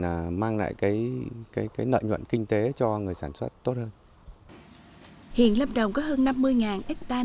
là mang lại cái nợ nhuận kinh tế cho người sản xuất tốt hơn hiện lâm đồng có hơn năm mươi hectare